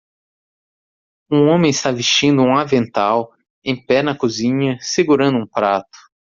Um homem está vestindo um avental? em pé na cozinha segurando um prato.